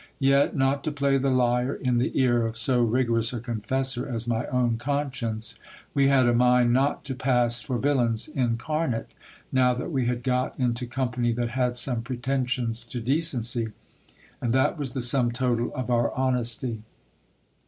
Yet, not to play the liar in the ear of so rigorous a confessor as my own conscience, we had a mind not to pass for villains incarnate, now that we had got into company that had some pretensions to decency : and that was the sum total of our honesty.